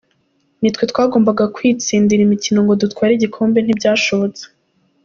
Nitwe twagombaga kwitsindira imikino ngo dutware igikombe ntibyashobotse.